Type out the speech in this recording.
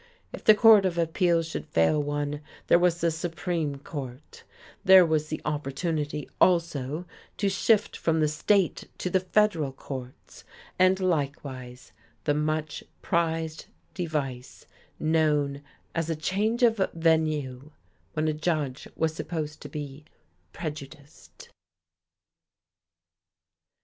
If the Court of Appeals should fail one, there was the Supreme Court; there was the opportunity, also, to shift from the state to the federal courts; and likewise the much prized device known as a change of venue, when a judge was supposed to be "prejudiced."